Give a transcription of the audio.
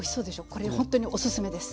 これほんっとにおすすめです。